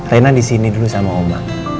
reina disini dulu sama oma